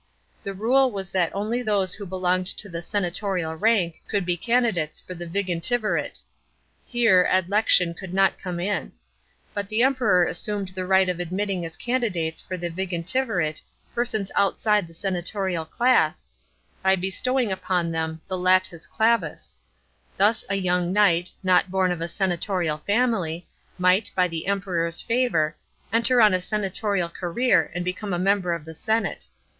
The rule was that only those who belonged to the senatorial rank could be candidates for the vigintivkate. Here adlection could not come in ; but the Emperor assumed the right of admitting as candidates for the vigintivirate persons on i side the senatorial class, by bestowing upon them the latns davus. Thus a young knight, not born of a senatorial family, might, by the Emperor's favour, enter on a senatorial career and become a member of the senate.